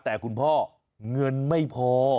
แต่คุณพ่อเงินไม่พอ